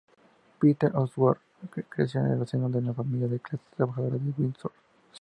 Peter Osgood creció en el seno de una familia de clase trabajadora de Windsor.